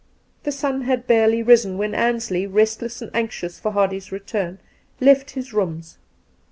The sun had barely risen when Ansley, restless, and anxious for Hardy's return, left his rooms.